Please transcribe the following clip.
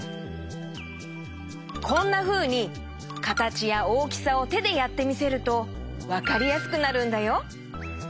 こんなふうにかたちやおおきさをてでやってみせるとわかりやすくなるんだよ。